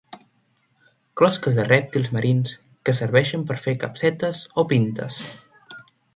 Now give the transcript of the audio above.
Closques de rèptils marins que serveixen per fer capsetes o pintes.